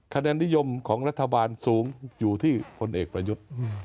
คะแนนนิยมของรัฐบาลสูงอยู่ที่พลเอกประยุทธ์